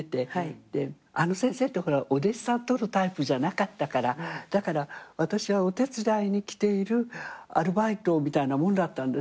あの先生ってほらお弟子さんとるタイプじゃなかったからだから私はお手伝いに来ているアルバイトみたいなもんだったんですよね。